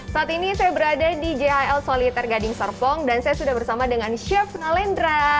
saat ini saya berada di jhl soliter gading serpong dan saya sudah bersama dengan chef nalendra